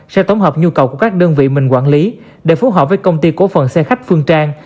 sẽ tổng hợp nhu cầu của các đơn vị mình quản lý để phù hợp với công ty cố phận xe khách phương trang